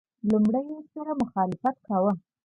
لومړي سره مخالفت کاوه.